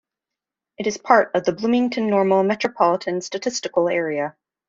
It is part of the Bloomington-Normal Metropolitan Statistical Area.